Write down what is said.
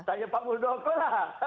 tanya pak muldoko lah